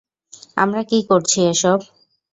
আমরা কী করছি এসব?